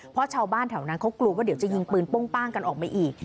เพราะชาวบ้านแถวนั้นเขากลัวว่าเดี๋ยวจะยิงปืนโป้งป้างกันออกมาอีก